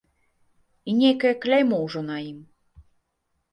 І нейкае кляймо ўжо на ім.